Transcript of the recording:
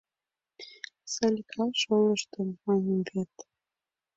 Салика шолыштын, маньым вет!